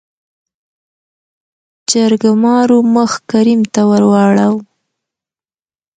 جرګمارو مخ کريم ته ورواړو .